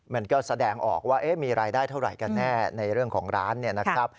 มันก็แสดงออกว่ามีรายได้เท่าไหร่กันแน่ในเรื่องของร้านเนี่ยนะครับ